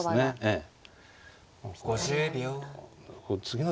ええ。